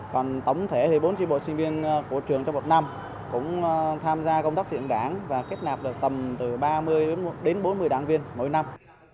còn tổng thể thì bốn chi bộ sinh viên của trường trong một năm cũng tham gia công tác diện đảng và kết nạp được tầm từ ba mươi bốn mươi đảng viên mỗi năm